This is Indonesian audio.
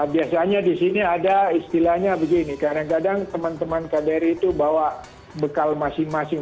biasanya di sini ada istilahnya begini kadang kadang teman teman kbri itu bawa bekal masing masing